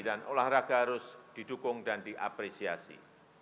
dan olahraga harus didukung dan diapresiasi